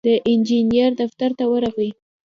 د انجينر دفتر ته ورغی.